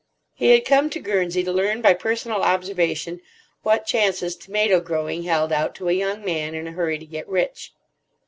He had come to Guernsey to learn by personal observation what chances tomato growing held out to a young man in a hurry to get rich.